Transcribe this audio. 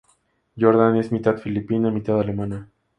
Jordan es mitad filipina, mitad alemana.